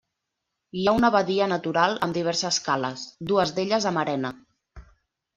Hi ha una badia natural amb diverses cales, dues d'elles amb arena.